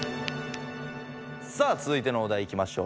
さあつづいてのお題いきましょう。